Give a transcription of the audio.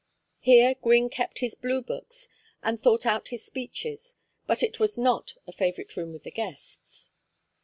Here Gwynne kept his Blue Books and thought out his speeches, but it was not a favorite room with the guests.